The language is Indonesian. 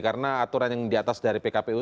karena aturan yang diatas dari pkpu